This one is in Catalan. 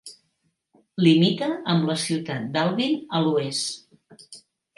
Limita amb la ciutat d'Alvin a l'oest.